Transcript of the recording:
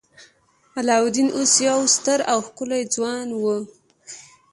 علاوالدین اوس یو ستر او ښکلی ځوان و.